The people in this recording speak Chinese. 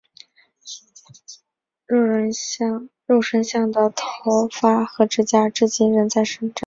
肉身像的头发和指甲至今仍在生长。